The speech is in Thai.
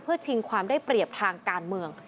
เพื่อชิงความได้เปรียบทางการเมือง